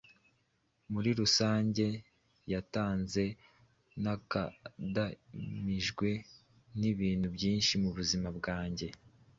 muri rusange. yatanze. Nakandamijwe nibintu byinshi mubuzima bwanjye,